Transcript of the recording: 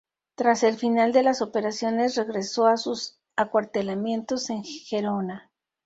Tras el final de las operaciones regresó a sus acuartelamientos en Gerona.